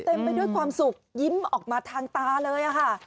ไปด้วยความสุขยิ้มออกมาทางตาเลยค่ะ